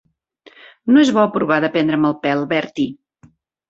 No és bo provar de prendre'm el pèl, Bertie.